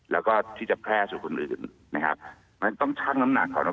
แล้วก็ที่จะแพร่สู่คนอื่นต้องชั่งน้ำหนังของเรา